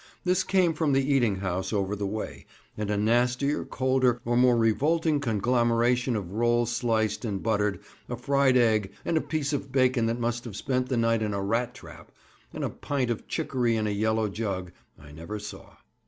This came from the eating house over the way, and a nastier, colder, or more revolting conglomeration of roll sliced and buttered, a fried egg, and a piece of bacon that must have spent the night in a rat trap, and a pint of chicory in a yellow jug, I never saw.